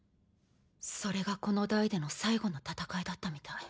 それがこの代での最後の戦いだったみたい。